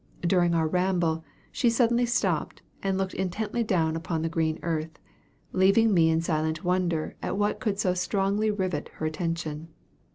During our ramble, she suddenly stopped, and looked intently down upon the green earth, leaving me in silent wonder at what could so strongly rivet her attention.